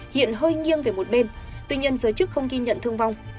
hiện hơi nghiêng về một bên tuy nhiên giới chức không ghi nhận thương vong